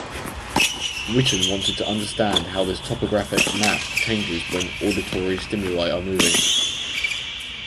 Witten wanted to understand how this topographic map changes when auditory stimuli are moving.